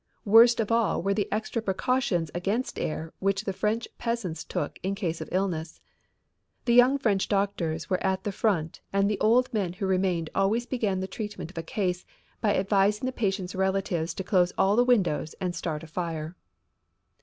Worst of all were the extra precautions against air which the French peasants took in case of illness. The young French doctors were at the front and the old men who remained always began the treatment of a case by advising the patient's relatives to close all the windows and start a fire.